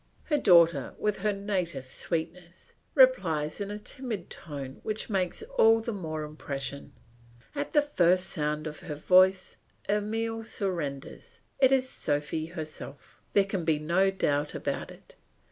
Her daughter, with her native sweetness, replies in a timid tone which makes all the more impression. At the first sound of her voice, Emile surrenders; it is Sophy herself; there can be no doubt about it.